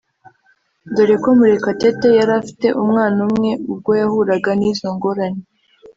dore ko Murekatete yari afite umwana umwe ubwo yahuraga n’izo ngorane